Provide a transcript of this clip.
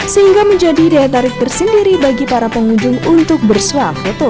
sehingga menjadi daya tarik tersendiri bagi para pengunjung untuk bersuap foto